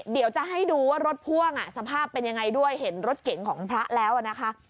เดี๋ยวจะให้ดูว่ารถพ่วงสภาพเป็นยังไงด้วยเห็นรถเก๋งของพระแล้วนะคะ